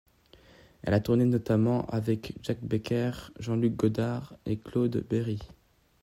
Elle a tourné notamment avec Jacques Becker, Jean-Luc Godard et Claude Berri.